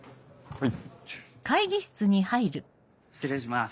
はい。